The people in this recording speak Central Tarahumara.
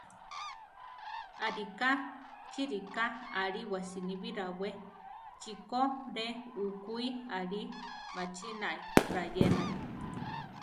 Ariká chi riká aliwá siníbi rawé: chiko re ukúi alí machinái rayénali.